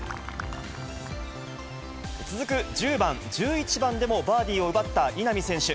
続く１０番、１１番でもバーディーを奪った稲見選手。